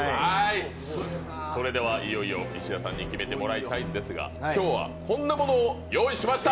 それではいよいよ石田さんに決めてもらいたいんですが今日はこんなものを用意しました。